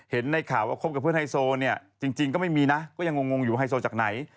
เห็นในข่าวว่าคบกับเพื่อนไฮโซเนี่ยจริงก็ไม่มีนะก็ยังงงอยู่ไฮโซจากไหน